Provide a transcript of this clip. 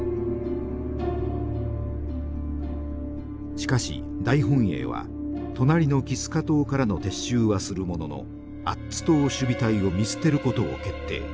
しかし大本営は隣のキスカ島からの撤収はするもののアッツ島守備隊を見捨てることを決定。